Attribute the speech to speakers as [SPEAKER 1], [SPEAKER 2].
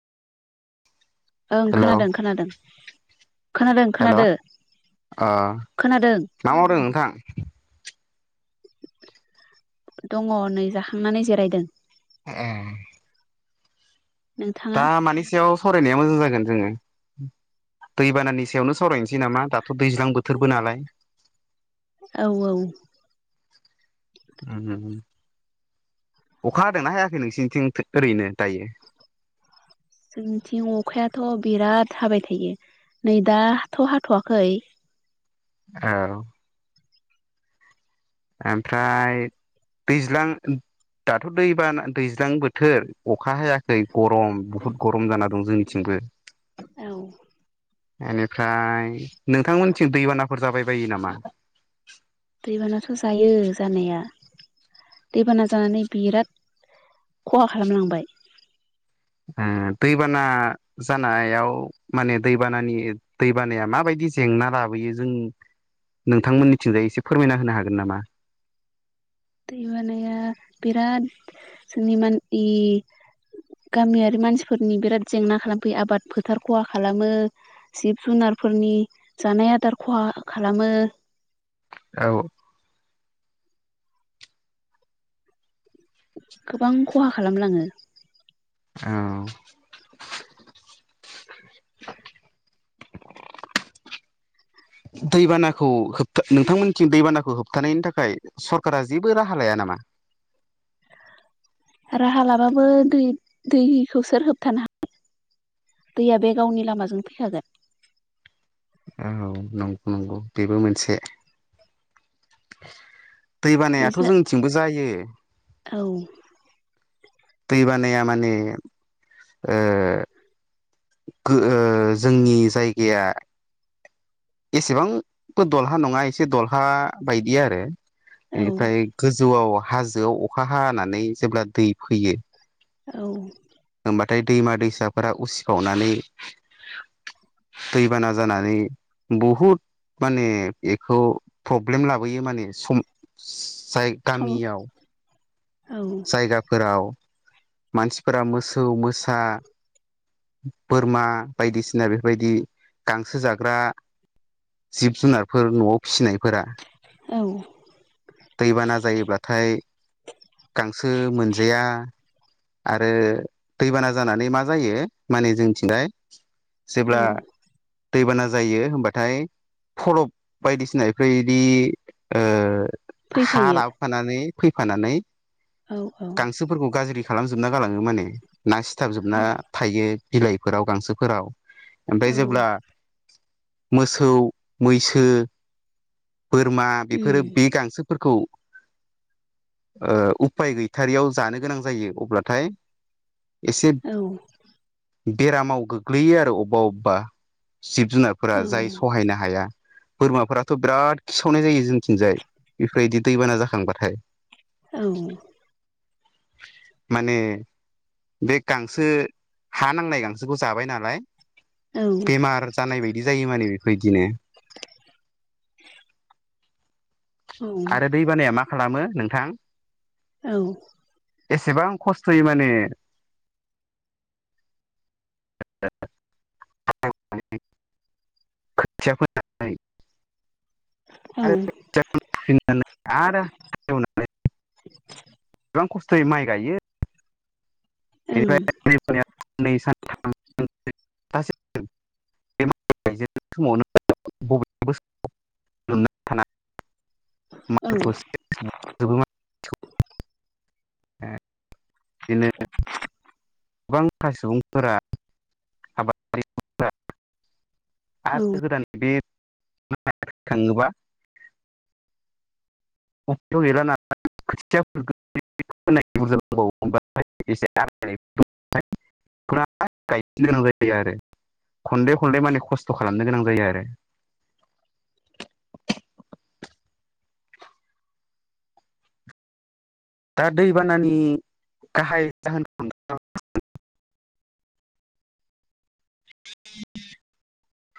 [SPEAKER 1] ओं
[SPEAKER 2] हेलौ
[SPEAKER 1] खोनादों खोनादों खोनादों
[SPEAKER 2] हेलौ
[SPEAKER 1] खोनादों
[SPEAKER 2] ओ
[SPEAKER 1] खोनादों
[SPEAKER 2] मा मावदों नोंथां?
[SPEAKER 1] दङ नै जाखांनानै जिरायदों
[SPEAKER 2] ए दा
[SPEAKER 1] नोंथाङा
[SPEAKER 2] मानि सायाव सरायनाया मोजां जागोन जोङो दै बानानि सायावनो सावरायनोसै नामा थ' दैज्लां बोथोरबो नालाय
[SPEAKER 1] औ औ
[SPEAKER 2] उम अखा हादोंना हायाखै नोंसिनिथिं ओरैनो दायो
[SPEAKER 1] जोंनिथिं अखायाथ' बिराद हाबाय थायो नै दाथ' हाथ'वाखै
[SPEAKER 2] औ ओमफ्राय दैज्लां दाथ' दैबाना दैज्लां बोथोर अखा हायाखै गरम बुहुत गरम जाना दं जोंनिथिंबो
[SPEAKER 1] औ
[SPEAKER 2] बेनिफ्राय नोंथांमोनथिं दैबानाफोर जाबाय बायो नामा
[SPEAKER 1] दैबानाथ' जायो जानाया दैबाना जानानै बिराद खहा खालामलांबाय
[SPEAKER 2] उम दैबाना जानायाव माने दैबानानि दैबानाया माबायदि जे जेंना लाबोयो जों नोंथांमोननिथिंजाय एसे फोरमायना होनो हागोन नामा
[SPEAKER 1] दैबानाया बिराद सनेमा इ गामियारि मानसिफोरनि बिराद जेंना खालामफैयो आबाद फोथार खहा खालामो जिब जुनारफोरनि जानाय आदार खहा खालामो
[SPEAKER 2] औ
[SPEAKER 1] गोबां खहा खालामलाङो
[SPEAKER 2] औ
[SPEAKER 1] [inaudible]
[SPEAKER 2] दैबानाखौ होबथा नोंथांमोननिथिं दैबानाखौ होबथानायनि थाखाय सरकारा जेबो राहा लाया नामा मा
[SPEAKER 1] राहा लाबाबो दै-दैखौ सोर होबथानो हागोन दैया बे गावनि लामाजों फैखागोन
[SPEAKER 2] औ नं-नंगौ बेबो मोनसे दैबानायाथ'
[SPEAKER 1] दैज्ला
[SPEAKER 2] जोंनिथिंबो जायो।
[SPEAKER 1] औ
[SPEAKER 2] दैैबानया माने ओ गो ओ जोंनि जायगाया एसेबांबो दलहा नङा एसे दलहा बायदि आरो
[SPEAKER 1] औ
[SPEAKER 2] बेनिफ्राय गोजौआव हाजोआव अखा हानानै जेब्ला दै फैयो।
[SPEAKER 1] औ
[SPEAKER 2] बाथाय दैमा दैसाफोरा उसिफावनानै दैबाना जानानै बहुद माने बेखौ प्रब्लेम लाबोयो माने सम जाय
[SPEAKER 1] सम
[SPEAKER 2] गामियाव
[SPEAKER 1] औ
[SPEAKER 2] जायगाफोराव मानसिफोरा मोसौ मोसा बोरमा बायदिसिना बेफोरबायदि गांसो जाग्रा। जिब जुनारफोर न'आव फिसिनायफोरा
[SPEAKER 1] औ
[SPEAKER 2] दैबाना जायोब्लाथाय गांसो मोनजाया। आरो दैबाना जानानै मा जायो माने जोंनिथिंहाय
[SPEAKER 1] औ
[SPEAKER 2] जेब्ला दैबाना जायो होमबाथाय फलब बायदिसिना इफोर बायदि ओ हा
[SPEAKER 1] फैफायो
[SPEAKER 2] लाबोफानानै फैफानानै
[SPEAKER 1] औ औ
[SPEAKER 2] गांसोफोरखौ गाज्रि खालामजोबना गालाङो माने ना
[SPEAKER 1] औ
[SPEAKER 2] सिथाबजोबना
[SPEAKER 1] उम
[SPEAKER 2] थायो। बिलाइफोराव गांसोफोराव ओमफ्राय
[SPEAKER 1] औ
[SPEAKER 2] जेब्ला मोसौ मैसो बोरमा बेफोरो बे गांसोफोरखौ ओ उपाय गै थारियाव जानो गोनां जायो अब्लाथाय एसे
[SPEAKER 1] औ
[SPEAKER 2] बेरामाव गोग्लैयो आरो अबेबा-अबेबा जिब जुनारफोरा
[SPEAKER 1] औ
[SPEAKER 2] जाय सहायनो हाया। बोरमाफोराथ' बिराद खिसावनाय जायो जोंथिंजाय बेफोरबायदि दैबाना जाखांबाथाय
[SPEAKER 1] औ [inaudible]
[SPEAKER 2] माने बे गांसो हा नांनाय गांसोखौ जाबाय नालाय।
[SPEAKER 1] औ
[SPEAKER 2] बेमार जानाय बायदि जायो माने बेफोर इदिनो आरो दैबानाया मा खालामो नोंथां
[SPEAKER 1] औ
[SPEAKER 2] एसेबां खस्थ'यै माने [unintelligible] खोथिया फोननानै आरो
[SPEAKER 1] ओं
[SPEAKER 2] खोथियाखौ फुनानै आरो हालेवनानै
[SPEAKER 1] [inaudible]
[SPEAKER 2] बां खस्थ'यै माइ गायो। बेनिफ्राय सानथाम बे माइ गायजेननाय समावनो बबेबा [unintelligible] [unintelligible]
[SPEAKER 1] [inaudible]
[SPEAKER 2] बिदिनो गोबांथार सुबुंफोरा आबादारि
[SPEAKER 1] औ
[SPEAKER 2] आरो गोदानै बे थाङोबा [unintelligible] गैला नाला खोथिया [unintelligible] [unintelligible] खनले खनदले माने खस्थ' खालामनो गोनां जायो आरो
[SPEAKER 1] [inaudible]
[SPEAKER 2] दा दैबानानि गाहाय जाहोन [unintelligible]